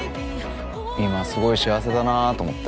今すごい幸せだなぁと思って。